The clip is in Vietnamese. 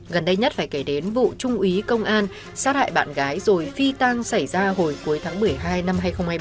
gần đây nhất phải kể đến vụ trung úy công an sát hại bạn gái rồi phi tan xảy ra hồi cuối tháng một mươi hai năm hai nghìn hai mươi ba